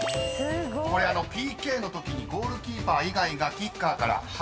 これＰＫのときにゴールキーパー以外がキッカーから離れないといけないと］